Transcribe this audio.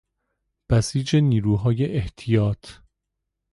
بسیج نیروهای احتیاط